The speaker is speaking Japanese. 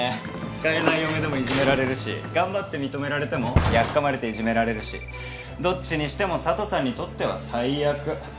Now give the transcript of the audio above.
使えない嫁でもいじめられるし頑張って認められてもやっかまれていじめられるしどっちにしても佐都さんにとっては最悪。